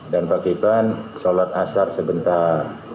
dan pak kipran sholat asar sebentar